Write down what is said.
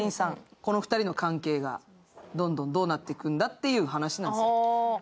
この２人の関係がどんどんどうなっていくんだという話です。